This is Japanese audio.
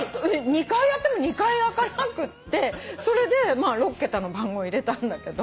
２回やっても２回開かなくってそれで６桁の番号入れたんだけど。